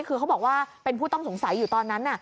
คือเขาบอกว่าเป็นผู้ต้องสงสัยอยู่ตอนนั้น